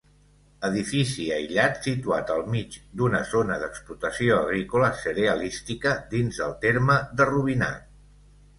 Edifici aïllat situat al mig d'una zona d'explotació agrícola cerealística dins del terme de Rubinat.